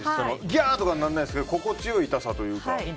ギャー！とかならないですけど心地良い痛さというか。